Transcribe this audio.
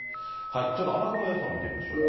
ちょっと雨雲の予想を見てみましょうか。